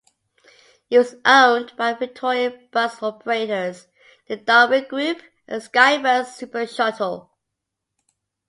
It was owned by Victorian bus operators the Donric Group and Skybus Super Shuttle.